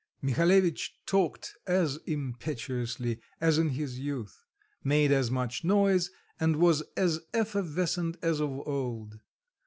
Mihalevitch talked as impetuously as in his youth; made as much noise and was as effervescent as of old.